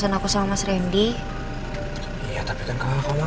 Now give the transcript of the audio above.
apanaya aku murniin pergi ngelagak sakit ya